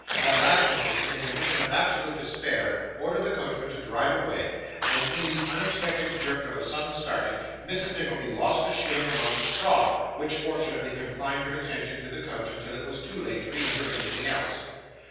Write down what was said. At last Nicholas, in a condition of absolute despair, ordered the coachman to drive away, and in the unexpected jerk of a sudden starting, Mrs. Nickleby lost a shilling among the straw, which fortunately confined her attention to the coach until it was too late to remember anything else.